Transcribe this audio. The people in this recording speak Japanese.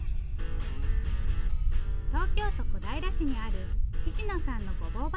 東京都小平市にある岸野さんのごぼう畑。